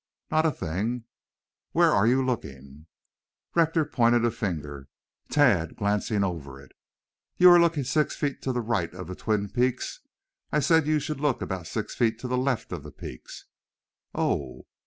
"Not a thing." "Where are you looking?" Rector pointed a finger, Tad glancing over it. "You are looking six feet to the right of the twin peaks. I said you should look about six feet to the left of the peaks." "Oh!"